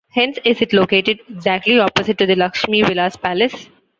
Hence is it located exactly opposite to the Laxmi Vilas Palace.